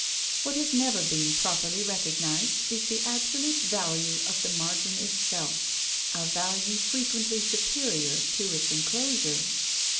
What has never been properly recognised is the absolute value of the margin itself—a value frequently superior to its enclosure.